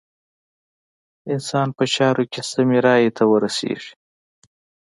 انسان په چارو کې سمې رايې ته ورسېږي.